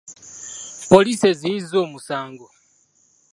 Poliisi eziyiza omusango.